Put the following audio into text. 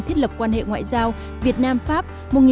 thiết lập quan hệ ngoại giao việt nam pháp